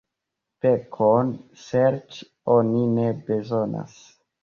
Pekon serĉi oni ne bezonas.